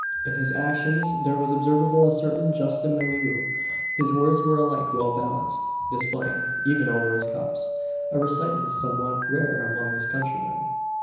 In his actions there was observable a certain juste milieu. His words were alike well balanced; displaying, even over his cups, a reticence somewhat rare among his countrymen.